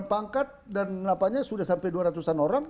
pangkat dan napanya sudah sampai dua ratus an orang